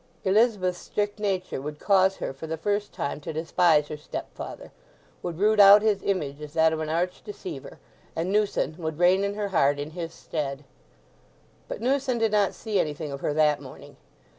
Elizabeth's strict nature would cause her for the first time to despise her stepfather, would root out his image as that of an arch deceiver, and Newson would reign in her heart in his stead. But Newson did not see anything of her that morning.